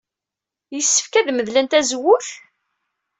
Yessefk ad medlen tazewwut?